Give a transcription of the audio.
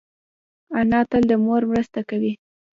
انا تل د مور مرسته کوي